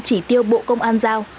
chỉ tiêu bộ công an giao